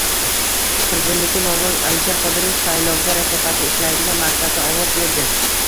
Prezidentlikka nomzod Alisher Qodirov saylovda rafiqasi ishlaydigan maktabda ovoz berdi